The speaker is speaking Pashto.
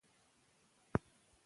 اسلام د علم لپاره محدودیت نه لګوي.